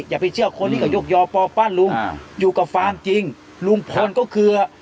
อย่าไปเชื่อคนที่เขายกยอปอปั้นลุงอยู่กับฟาร์มจริงลุงพลก็คือ